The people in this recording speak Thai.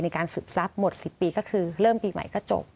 สืบทรัพย์หมด๑๐ปีก็คือเริ่มปีใหม่ก็จบ